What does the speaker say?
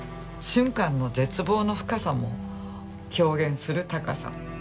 俊寛の絶望の深さも表現する高さ。